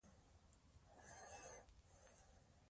لیکوال په خپلو لیکنو کې دا هڅه کوي.